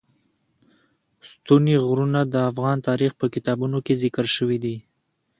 ستوني غرونه د افغان تاریخ په کتابونو کې ذکر شوی دي.